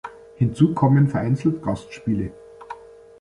Hinzu kommen vereinzelt Gastspiele.